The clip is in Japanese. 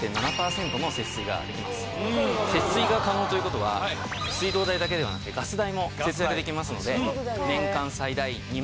節水が可能ということは水道代だけではなくてガス代も節約できますので。